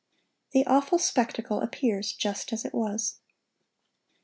The awful spectacle appears just as it was.